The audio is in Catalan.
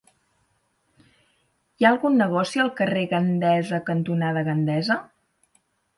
Hi ha algun negoci al carrer Gandesa cantonada Gandesa?